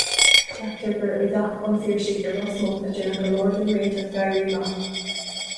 Ceaptar gur i dteach an Phiarsaigh i Ros Muc a déanadh go leor den réiteach d'Éirí Amach.